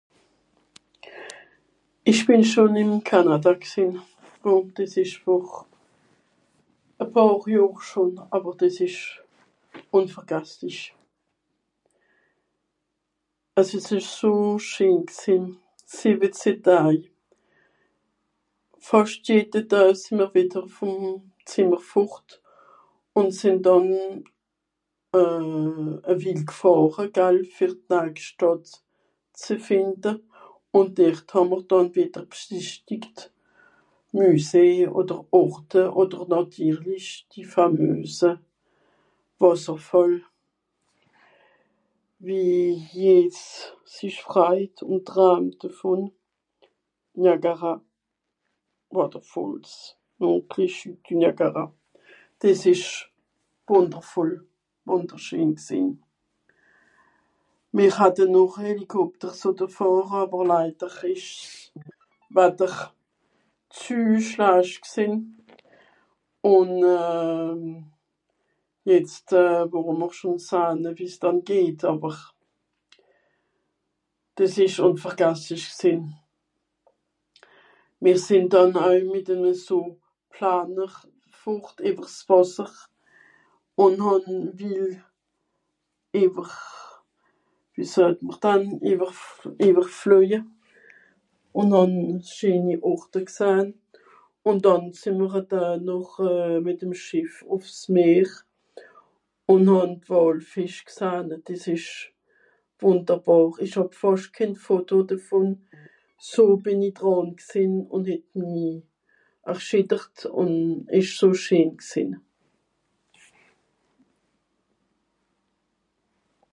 ìch bìn schon ìm Canada gsìnn. Bon dìs ìsch vor e pààr Johr schon àwer dìs ìsch ùnvergasslisch. Es ìsch eso scheen gsìnn. Sìwezeh Daj. Fàscht jede Doe sìì mr wìdder vùm Zìmmer fùrt ùn sìnn dànn euh... e Wil gfàhre fer d'nagscht Stop ze fìnde. Ùn dert hà mr dànn wìdder bsìchtigt, Müsé odder Orte odder nàtirlisch die fameuse Wàsserfàll. Wie jeds sich freit ùn tramt devùn. Niagaga Waterfalls. Donc les chutes du Niagara. Dìs ìsch wùndervoll, wùnderscheen gsìnn. Mìt hatte noch Helikopter sotte fàhre àwer leider ìsch s'Watter zü schlascht gsìnn, ùn euh... jetzt euh... worùm (...) wie s'dann geht àwer. Dìs ìsch ùnvergasslisch gsìnn. Mìr sìnn dànn oei mìt'eme so Planer fort ìwer s'Wàsser, ùn hàn wie ìwer, wie soet mr dann ? ìwer... ìwergfloeje, ùn hàn scheeni Orte gsahn. Ùn dànn sìì mr noch mìt'm Schìff ùff's Meer ùn hàn d'Wàlfìsch gsahn, dìs ìsch wùnderbàr. Ìch hàb fàscht kén Foto devùn. So bìn i dràn gsìnn ùn het minni erschìttert ùn ìsch so scheen gsìnn.